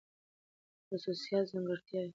خصوصيات √ ځانګړتياوې